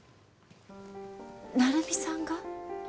成美さんが？